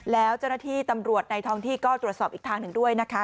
แล้วเจ้าหน้าที่ตำรวจในท้องที่ก็ตรวจสอบอีกทางหนึ่งด้วยนะคะ